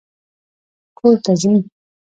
کور ته ځي